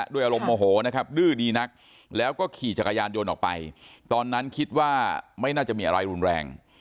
อารมณ์โมโหนะครับดื้อดีนักแล้วก็ขี่จักรยานยนต์ออกไปตอนนั้นคิดว่าไม่น่าจะมีอะไรรุนแรง